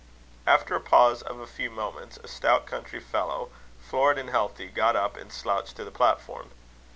After a pause of a few moments, a stout country fellow, florid and healthy, got up and slouched to the platform.